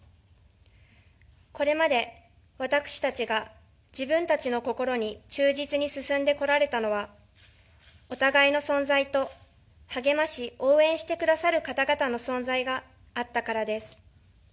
これまで私たちが自分たちの心に忠実に進んでこられたのはお互いの存在と、励まし応援してくださる方々の存在があったからです。